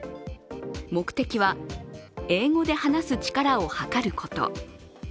目的は、英語で話す力を測ること。